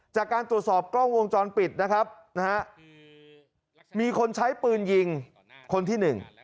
จากการตรวจสอบกล้องวงจรปิดนะครับนะฮะมีคนใช้ปืนยิงคนที่หนึ่ง